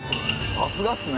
さすがっすね。